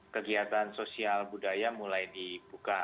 kegiatan sosial budaya mulai dibuka